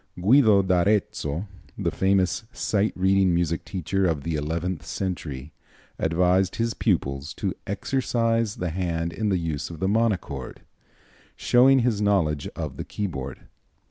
Guido d'Arezzo, the famous sight reading music teacher of the eleventh century, advised his pupils to "exercise the hand in the use of the monochord," showing his knowledge of the keyboard.